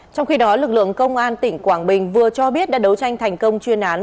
trong khi đó lực lượng công an tỉnh quảng bình vừa cho biết đã đấu tranh thành công chuyên án